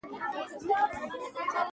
دوی به دښمن ته ماتې ورکړې وي.